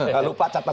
gak lupa catatan